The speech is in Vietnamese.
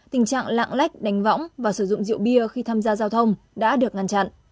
tình trạng lạng lách đánh võng và sử dụng rượu bia khi tham gia giao thông đã được ngăn chặn